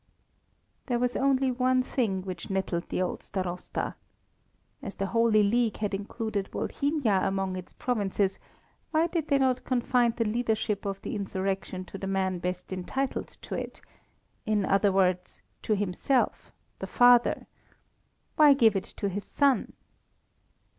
There was only one thing which nettled the old Starosta. As the Holy League had included Volhynia among its provinces, why did they not confide the leadership of the insurrection to the man best entitled to it; in other words, to himself, the father? Why give it to his son?